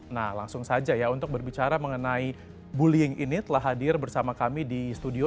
nah langsung saja ya untuk berbicara mengenai bullying ini telah hadir bersama kami di studio